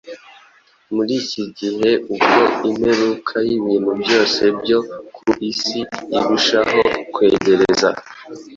Muri iki gihe ubwo imperuka y’ibintu byose byo ku isi irushaho kwegereza,